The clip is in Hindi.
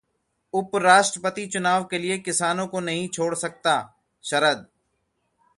उपराष्ट्रपति चुनाव के लिए किसानों को नहीं छोड़ सकता: शरद